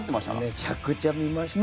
めちゃくちゃ見ましたよ。